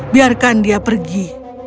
biarkan dia pergi